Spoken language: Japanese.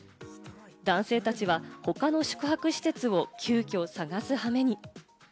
男性たちは他の宿泊施設を急きょ探す羽目に。